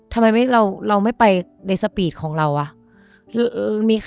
ทำไมเราไม่ไปในสปีดของเราอ่ะ